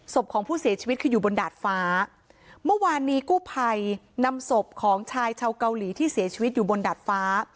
ของผู้เสียชีวิตคืออยู่บนดาดฟ้าเมื่อวานนี้กู้ภัยนำศพของชายชาวเกาหลีที่เสียชีวิตอยู่บนดาดฟ้า